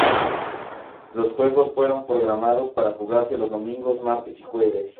Los juegos fueron programados para jugarse los domingos, martes y jueves.